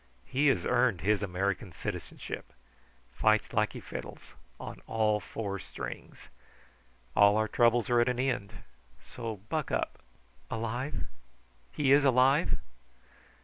He has earned his American citizenship. Fights like he fiddles on all four strings. All our troubles are at an end; so buck up." "Alive? He is alive?"